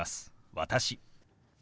「私」。